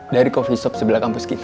dari coffee shop sebelah kampus kita